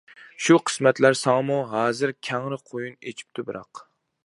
شۇ قىسمەتلەر ساڭىمۇ ھازىر، كەڭرى قۇيۇن ئېچىپتۇ بىراق.